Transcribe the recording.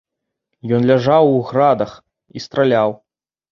Ён ляжаў у градах і страляў.